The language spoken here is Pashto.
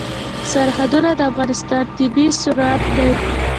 سرحدونه د افغانستان طبعي ثروت دی.